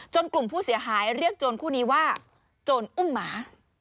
กลุ่มผู้เสียหายเรียกโจรคู่นี้ว่าโจรอุ้มหมา